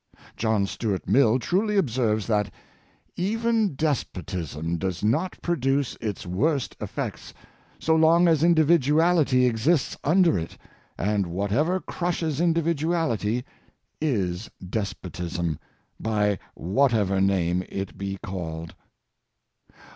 John Stuart Mill truly observes that ^' even despotism does not produce its worst effects so long as individuality exists under it, and whatever crushes individuality is despotism, by whatever name it be called."